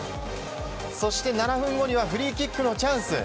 そして７分後にはフリーキックのチャンス。